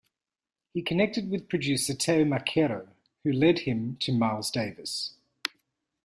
He connected with producer Teo Macero, who led him to Miles Davis.